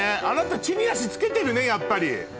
あなた地に足つけてるねやっぱり。